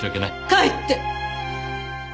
帰って！